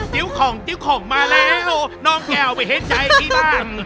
ติ้วของติ้วของมาแล้วน้องแก้วไปเห็นใจที่บ้าน